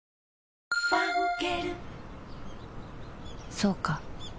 そうか